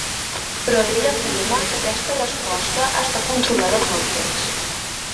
Però ell afirma que aquesta resposta està controlada pel text.